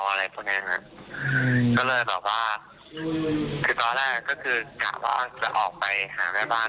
ก็เลยที่ตอนแรกก็ถือกัดว่าออกไปห่างแม่บ้าน